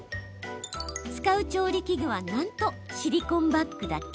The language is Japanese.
使う調理器具はなんとシリコンバッグだけ。